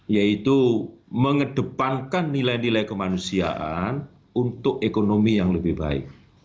yaitu mengedepankan nilai nilai kemanusiaan untuk ekonomi yang lebih baik